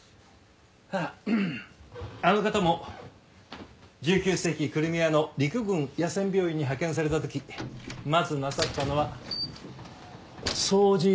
あの方も１９世紀クリミアの陸軍野戦病院に派遣された時まずなさったのは掃除でした。